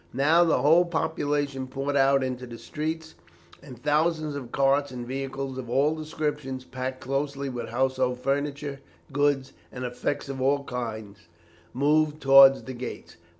Now the whole population poured out into the streets, and thousands of carts and vehicles of all descriptions, packed closely with household furniture, goods, and effects of all kinds, moved towards the gates.